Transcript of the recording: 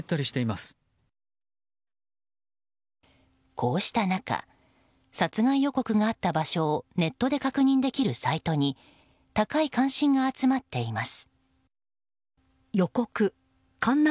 こうした中殺害予告があった場所をネットで確認できるサイトに高い関心が集まっています。